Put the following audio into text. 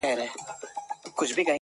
خوله په غاښو ښايسته وي.